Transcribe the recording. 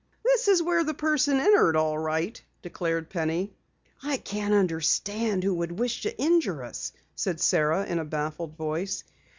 "This is where the person entered, all right," declared Penny. "I can't understand who would wish to injure us," said Sara in a baffled voice.